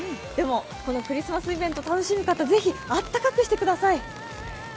このクリスマスイベントを楽しむ方、ぜひあったかくしてください。